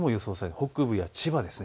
北部や千葉です。